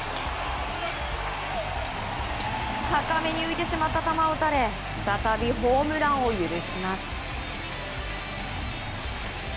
高めに浮いてしまった球を打たれ再びホームランを許します。